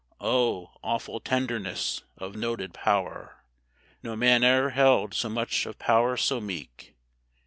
O awful tenderness of noted power! No man e'er held so much of power so meek.